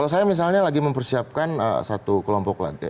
kalau saya misalnya lagi mempersiapkan satu kelompok lagi